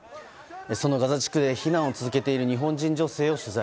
そのガザ地区で避難を続けている日本人女性を取材。